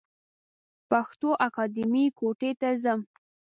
پښتو اکېډمۍ کوټي ته ځم.